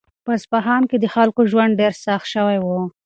په اصفهان کې د خلکو ژوند ډېر سخت شوی و.